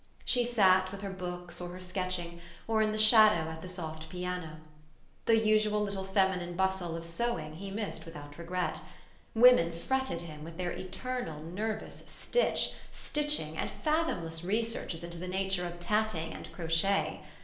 She sat with her books or her sketching, or in the shadow at the soft piano. The usual little feminine bustle of sewing he missed without regret. Women fretted him with their eternal nervous stitch, stitching, and fathomless researches into the nature of tatting and crochet.